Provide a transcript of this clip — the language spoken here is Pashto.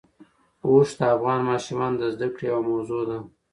اوښ د افغان ماشومانو د زده کړې یوه موضوع ده.